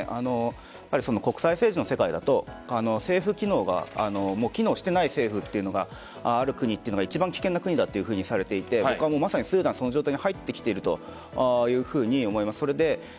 国際政治の世界だと政府機能が機能していない政府というのがある国というのが一番危険な国だとされていて僕は、スーダンはその状態に入ってきているというふうに思います。